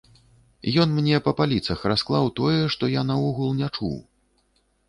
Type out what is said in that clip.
Ён мне па паліцах расклаў тое, што я наогул не чуў!